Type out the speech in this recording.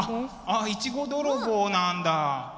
あっ「いちご泥棒」なんだ。